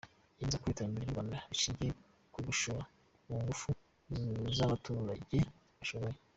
Yemeza ko iterambere ry’u Rwanda rishingiye ku gushora mu ngufu z’abaturage bashoboye.